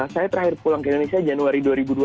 saya terakhir pulang ke indonesia januari dua ribu dua puluh